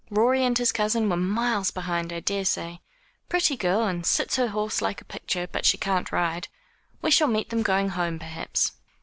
Rorie and his cousin were miles behind, I daresay. Pretty girl, and sits her horse like a picture but she can't ride. We shall meet them going home, perhaps."